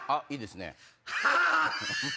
いいですね。